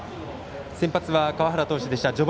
先発は川原投手でした。